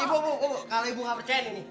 ibu kalau ibu nggak percaya nih